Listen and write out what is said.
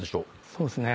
そうですね。